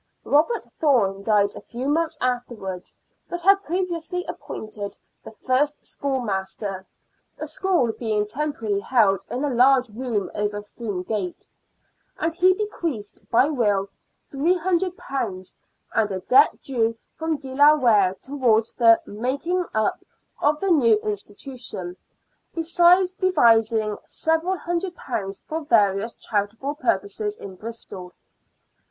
Robert Thome died a few months afterwards, but had previously appointed the first schoolmaster (the school being temporarity held in a large room over Froom Gate), and he bequeathed by will £300, and a debt due from De la Warre, towards the " making up " of the new institution, besides devising several hundred pounds for various charitable purposes in Bristol.